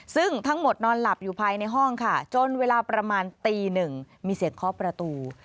ซึ่งทั้งหมดนอนหลับอยู่ภายในห้องค่ะจนเวลาประมาณตีหนึ่งมีเสียงเคาะประตู